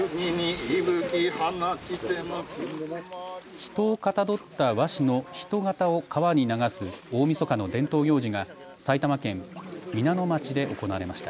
人をかたどった和紙の人形を川に流す大みそかの伝統行事が埼玉県皆野町で行われました。